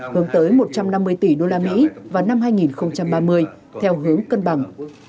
hướng tới một trăm năm mươi tỷ usd vào năm hai nghìn ba mươi theo hướng cân bằng